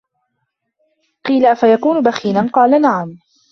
قِيلَ أَفَيَكُونُ بَخِيلًا ؟ قَالَ نَعَمْ